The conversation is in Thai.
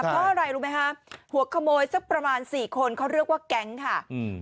เพราะอะไรรู้ไหมคะหัวขโมยสักประมาณสี่คนเขาเรียกว่าแก๊งค่ะอืม